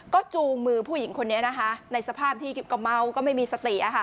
ก็จูงมือผู้หญิงคนนี้นะคะในสภาพที่ก็เมาก็ไม่มีสติ